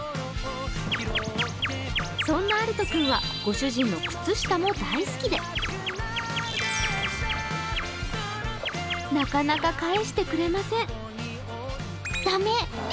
そんなあると君はご主人の靴下も大好きでなかなか返してくれません。